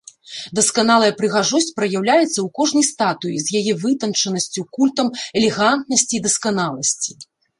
Дасканалая прыгажосць праяўляецца ў кожнай статуі з яе вытанчанасцю, культам элегантнасці і дасканаласці.